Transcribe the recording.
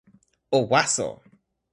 o waso!